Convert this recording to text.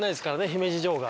姫路城が。